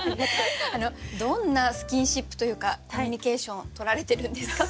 どんなスキンシップというかコミュニケーションとられてるんですか？